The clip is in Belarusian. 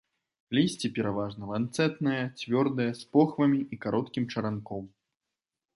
Лісце пераважна ланцэтнае, цвёрдае, з похвамі і кароткім чаранком.